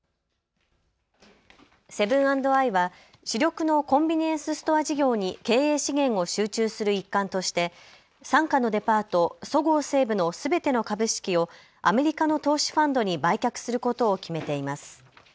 セブン＆アイは主力のコンビニエンスストア事業に経営資源を集中する一環として傘下のデパート、そごう・西武のすべての株式をアメリカの投資ファンドに売却することを決めています。